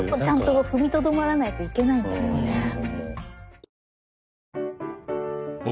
ちゃんと踏みとどまらないといけないんだよね。